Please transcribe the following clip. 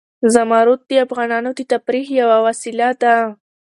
زمرد د افغانانو د تفریح یوه وسیله ده.